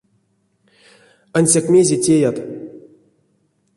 Ансяк мезе теят?